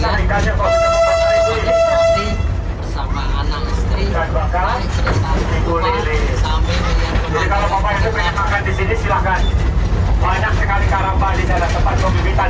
di sini saja yang paling dekat